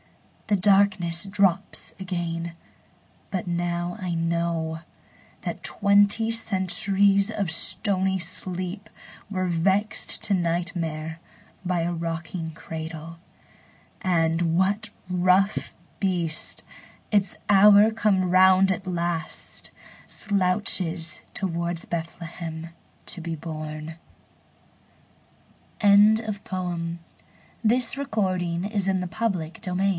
The darkness drops again; but now I know That twenty centuries of stony sleep Were vexed to nightmare by a rocking cradle, And what rough beast, its hour come round at last, Slouches towards Bethlehem to be born? Literature Network » William Butler Yeats » The Second Coming P